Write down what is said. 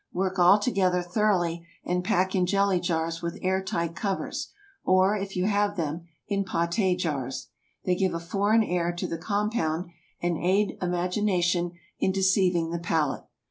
Work all together thoroughly, and pack in jelly jars with air tight covers, or, if you have them, in pâté jars. They give a foreign air to the compound, and aid imagination in deceiving the palate.